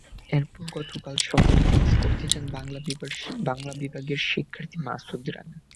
এরপর গতকাল সকালে ক্লাস করতে যান বাংলা বিভাগের শিক্ষার্থী মাসুদ রানা।